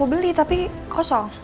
aku beli tapi kosong